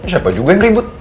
siapa juga yang ribut